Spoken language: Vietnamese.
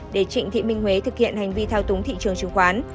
để trịnh thị minh huế thực hiện hành vi thao túng thị trường chứng khoán